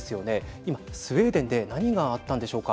今スウェーデンで何があったんでしょうか。